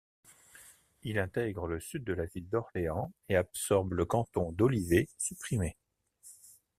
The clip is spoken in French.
Il intègre le Sud de la ville d'Orléans et absorbe le canton d'Olivet, supprimé.